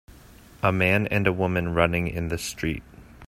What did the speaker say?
A man and a woman running in the street.